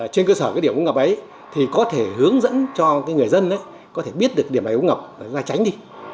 trên cơ sở điểm ứng gặp ấy có thể hướng dẫn cho người dân biết điểm ứng gặp ra tránh đi